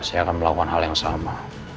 saya akan melakukan hal yang sama